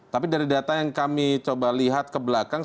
tapi dari data yang kami coba lihat ke belakang